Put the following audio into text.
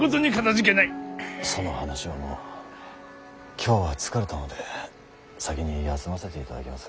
今日は疲れたので先に休ませていただきます。